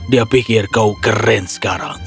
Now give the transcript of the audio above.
dia pikir kau keren sekarang